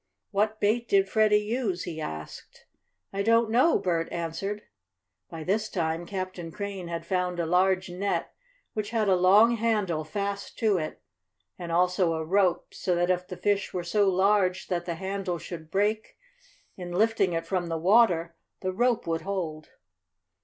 What bait did Freddie use?" he asked. "I don't know," Bert answered. By this time Captain Crane had found a large net, which had a long handle fast to it, and also a rope, so that if the fish were so large that the handle should break in lifting it from the water, the rope would hold.